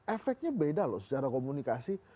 efeknya beda loh secara komunikasi